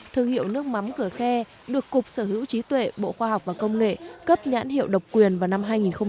thương hiệu nước mắm cửa khe được cục sở hữu trí tuệ bộ khoa học và công nghệ cấp nhãn hiệu độc quyền vào năm hai nghìn một mươi